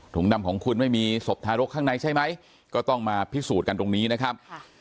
ดำของคุณไม่มีศพทารกข้างในใช่ไหมก็ต้องมาพิสูจน์กันตรงนี้นะครับ